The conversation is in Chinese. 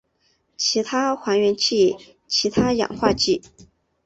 其他还原器其他氧化剂